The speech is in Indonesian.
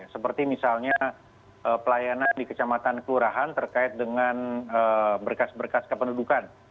seperti misalnya pelayanan di kecamatan kelurahan terkait dengan berkas berkas kependudukan